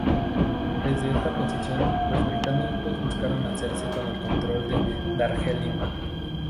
Desde esta posición, los británicos buscaron hacerse con el control de Darjeeling.